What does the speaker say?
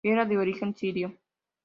Era de origen sirio.